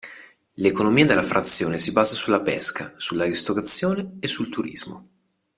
L'economia della frazione si basa sulla pesca, sulla ristorazione e sul turismo.